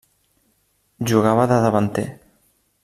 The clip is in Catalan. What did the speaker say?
Jugava de davanter.